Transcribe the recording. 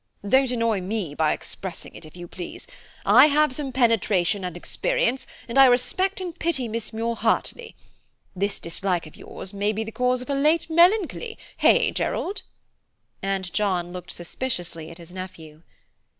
"Don't annoy me by expressing it, if you please. I have some penetration and experience, and I respect and pity Miss Muir heartily. This dislike of yours may be the cause of her late melancholy, hey, Gerald?" And Sir John looked suspiciously at his nephew.